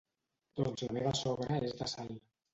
Doncs la meva sogra és de Salt.